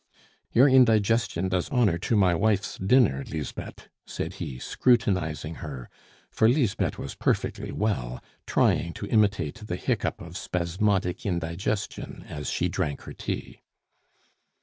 "Your indigestion does honor to my wife's dinner, Lisbeth," said he, scrutinizing her, for Lisbeth was perfectly well, trying to imitate the hiccough of spasmodic indigestion as she drank her tea.